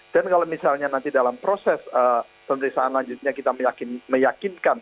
dan kalau misalnya nanti dalam proses penerisaan lanjutnya kita meyakinkan